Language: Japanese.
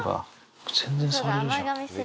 全然触れるじゃん。